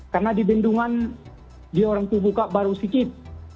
karena di bendungan dia orang tuh buka baru sikit